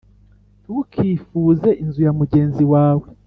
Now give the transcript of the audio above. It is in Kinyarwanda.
Ntukifuze inzu ya mugenzi wawe.